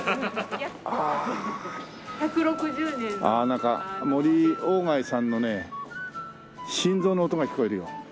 ああなんか森外さんのね心臓の音が聞こえるよ。